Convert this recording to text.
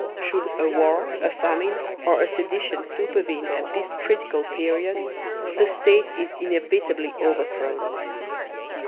Should a war, a famine, or a sedition supervene at this critical period, the State is inevitably overthrown.